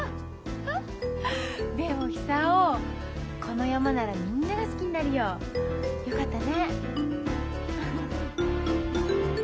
でも久男この山ならみんなが好きになるよ。よかったね。